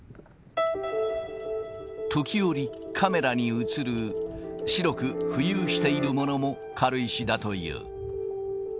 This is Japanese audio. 時折、カメラに写る白く浮遊しているものも軽石だという。